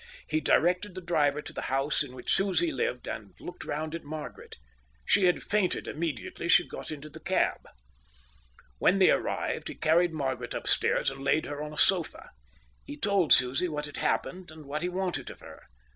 He directed the driver to the house in which Susie lived and looked round at Margaret. She had fainted immediately she got into the cab. When they arrived, he carried Margaret upstairs and laid her on a sofa. He told Susie what had happened and what he wanted of her.